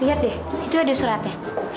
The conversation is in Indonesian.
lihat deh itu ada suratnya